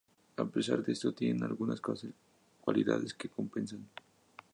A pesar de esto, tienen algunas cualidades que compensan.